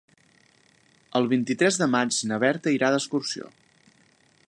El vint-i-tres de maig na Berta irà d'excursió.